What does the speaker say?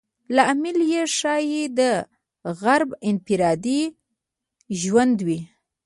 لامل یې ښایي د غرب انفرادي ژوند وي.